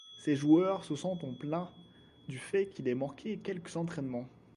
Ses joueurs se sont en effet plaint du fait qu'il ait manqué quelques entraînements.